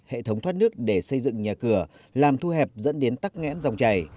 hệ thống thoát nước để xây dựng nhà cửa làm thu hẹp dẫn đến tắc ngẽn dòng chảy